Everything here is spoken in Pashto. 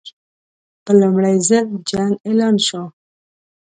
په لومړي ځل جنګ اعلان شو.